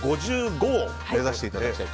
５５を目指していただきたい。